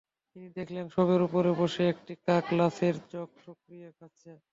তিনি দেখলেন শবের উপরে বসে একটি কাক লাশের চোখ ঠুকরিয়ে খাচ্ছে।